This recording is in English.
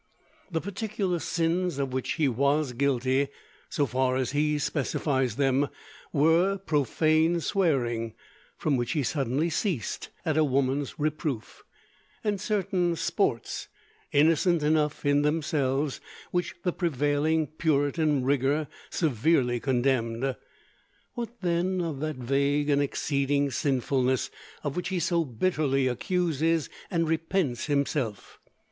The particular sins of which he was guilty, so far as he specifies them, were profane swearing, from which he suddenly ceased at a woman's reproof, and certain sports, innocent enough in themselves, which the prevailing Puritan rigor severely condemned. What, then, of that vague and exceeding sinfulness of which he so bitterly accuses and repents himself?